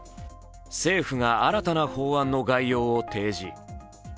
政府が新たな法案の概要を提示。